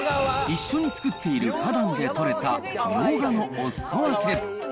一緒に作っている花壇で取れたミョウガのおすそ分け。